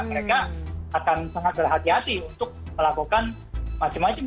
mereka akan sangat berhati hati untuk melakukan macam macam